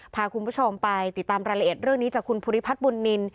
พาคุณผู้ชมไปติดตามรายละเอียดเรื่องนี้จากคุณภูริพัฒน์บุญนิน